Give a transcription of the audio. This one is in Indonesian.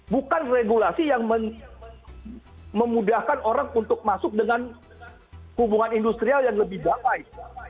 bukan regulasi yang memudahkan orang untuk masuk dengan hubungan industrial yang lebih damai